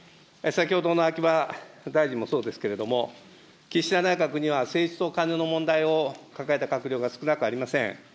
先ほどの秋葉大臣もそうですけれども、岸田内閣には政治とカネの問題を抱えた閣僚が少なくありません。